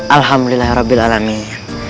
alhamdulillah rabbil alamin